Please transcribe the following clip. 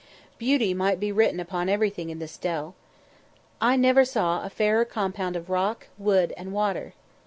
Beauty might be written upon everything in this dell. I never saw a fairer compound of rock, wood, and water.